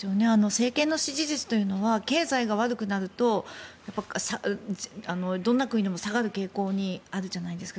政権の支持率というのは経済が悪くなるとどんな国でも下がる傾向にあるじゃないですか。